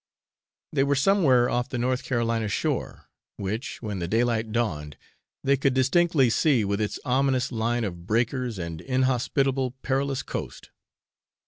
They were somewhere off the North Carolina shore, which, when the daylight dawned, they could distinctly see, with its ominous line of breakers and inhospitable perilous coast.